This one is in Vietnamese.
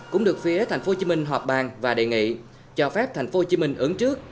cũng được phía tp hcm họp bàn và đề nghị cho phép tp hcm ứng trước